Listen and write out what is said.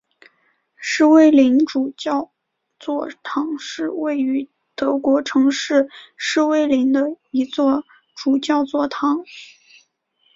诗威林主教座堂是位于德国城市诗威林的一座主教座堂。